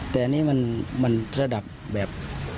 แต่นี่มันระดับแบบ